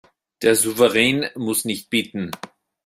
Der Souverän muss nicht bitten.